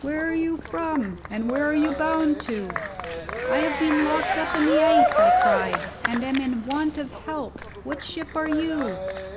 "Where are you from, and where are you bound to?" "I have been locked up in the ice," I cried, "and am in want of help. What ship are you?"